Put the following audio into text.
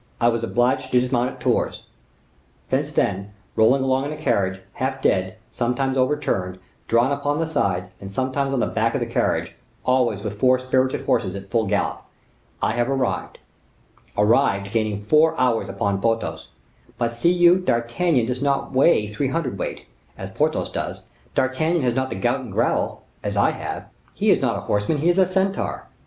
I was obliged to dismount at Tours; since that, rolling along in a carriage, half dead, sometimes overturned, drawn upon the sides, and sometimes on the back of the carriage, always with four spirited horses at full gallop, I have arrived—arrived, gaining four hours upon Porthos; but, see you, D'Artagnan does not weigh three hundred weight, as Porthos does; D'Artagnan has not the gout and gravel, as I have; he is not a horseman, he is a centaur.